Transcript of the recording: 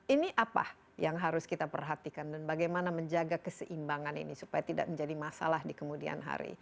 ini apa yang harus kita perhatikan dan bagaimana menjaga keseimbangan ini supaya tidak menjadi masalah di kemudian hari